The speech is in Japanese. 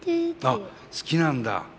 あっ好きなんだ。